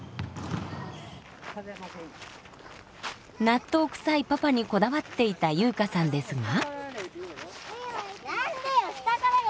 納豆くさいパパにこだわっていた悠加さんですが。